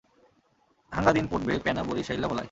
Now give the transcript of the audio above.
হাঙ্গা দিন পোটবে প্যানা বরিশাইল্লা ভোলায়।